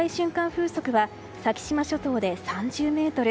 風速は先島諸島で３０メートル